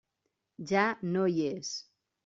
Ja no hi és.